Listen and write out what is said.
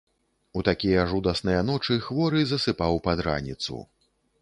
У такія жудасныя ночы хворы засыпаў пад раніцу.